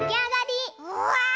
うわ！